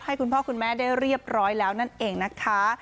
ให้คุณพ่อคุณแม่ได้เรียบร้อยแล้วนั่นเองนะคะ